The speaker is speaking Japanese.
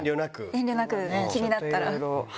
遠慮なく、気になったら。